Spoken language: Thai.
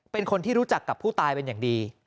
เป็นคนที่รู้จักกับผู้ตายเป็นอย่างดี